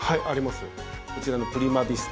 こちらのプリマヴィスタ。